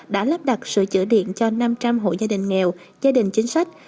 đã lắp đặt sửa chữa điện cho năm trăm linh hộ gia đình nghèo gia đình chính sách